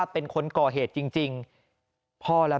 แม่พึ่งจะเอาดอกมะลิมากราบเท้า